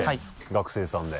学生さんで。